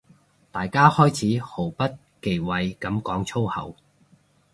大家開始毫不忌諱噉講粗口